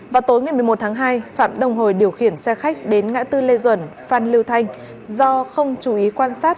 vào tối ngày một mươi một tháng hai phạm đông hồi điều khiển xe khách đến ngã tư lê duẩn phan lưu thanh do không chú ý quan sát